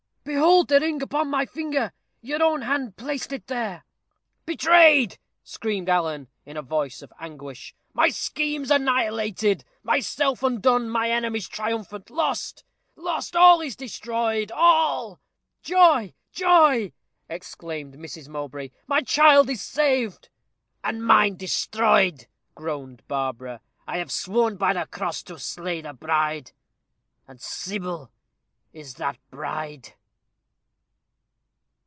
"Behold the ring upon my finger! Your own hand placed it there." "Betrayed!" screamed Alan, in a voice of anguish. "My schemes annihilated myself undone my enemies triumphant lost! lost! All is destroyed all!" "Joy! joy!" exclaimed Mrs. Mowbray: "my child is saved." "And mine destroyed," groaned Barbara. "I have sworn by the cross to slay the bride and Sybil is that bride."